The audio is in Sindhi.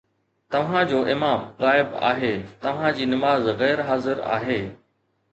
توهان جو امام غائب آهي، توهان جي نماز غير حاضر آهي